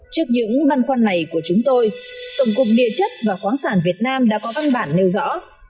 trước những băn khoăn này của chúng tôi tổng cục địa chất và khoáng sản việt nam đã có văn bản nêu rõ